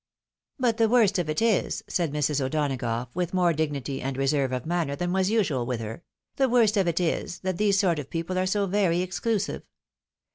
" But the worst of it is," said Mrs. O'Donagough, with more dignity and reserve of manner than was usual with her ;" the worst of it is, that these sort of people are so very exclusive.